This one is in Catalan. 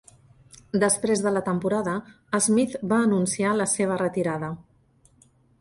Després de la temporada, Smith va anunciar la seva retirada.